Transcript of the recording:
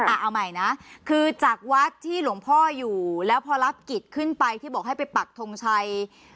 เอาใหม่นะคือจากวัดที่หลวงพ่ออยู่แล้วพอรับกิจขึ้นไปที่บอกให้ไปปักทงชัย